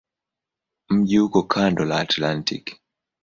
Mji uko kando la Atlantiki.